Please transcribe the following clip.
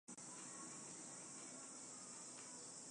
多花茶藨子为虎耳草科茶藨子属下的一个种。